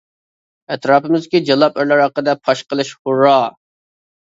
ئەتراپىمىزدىكى ‹ ‹جالاپ› › ئەرلەر ھەققىدە پاش قىلىش ھۇررا!